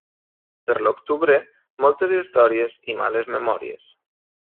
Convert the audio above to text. Per l'octubre, moltes històries i males memòries.